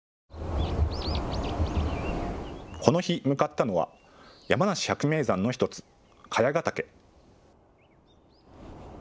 この日、向かったのは山梨百名山の１つ、茅ヶ岳。